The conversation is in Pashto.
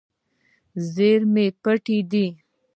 زیرمې پټ دي.